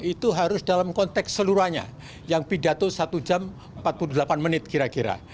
itu harus dalam konteks seluruhnya yang pidato satu jam empat puluh delapan menit kira kira